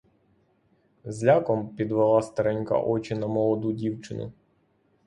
З ляком підвела старенька очі на молоду дівчину.